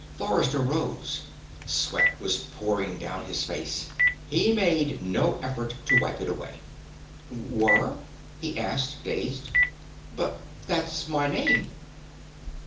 Forrester rose. Sweat was pouring down his face. He made no effort to wipe it away. "Were?" he asked, dazed. "But that's my name!"